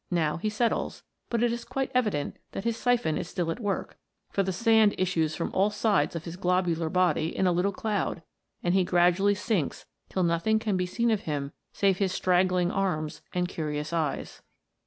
Now he settles, but it is quite evident that his siphon is still at work, for the sand issues from all sides of his globiilar body in a little cloud, and he gradually sinks till nothing can be seen of him save his strag gling arms and curious eyes.